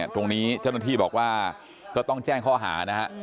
ตรงนี้เจ้าหน้าที่บอกว่าก็ต้องแจ้งข้อหานะฮะ